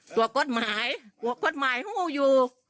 ตัวกุดหมายกทหมายหู้ยู